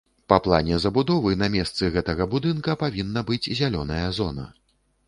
Па плане забудовы на месцы гэтага будынка павінна быць зялёная зона.